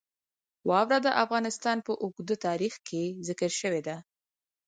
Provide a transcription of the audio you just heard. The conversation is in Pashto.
واوره د افغانستان په اوږده تاریخ کې ذکر شوې ده.